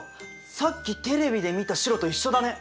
さっきテレビで見た白と一緒だね。